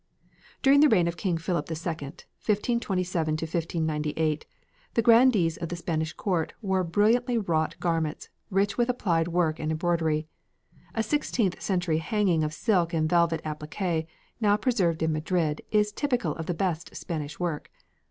During the reign of King Philip II, 1527 1598, the grandees of the Spanish court wore beautifully wrought garments, rich with applied work and embroidery. A sixteenth century hanging of silk and velvet appliqué, now preserved in Madrid, is typical of the best Spanish work.